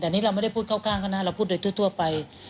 แต่นี่เราไม่ได้พูดเข้าข้างเขานะเราพูดโดยทั่วไป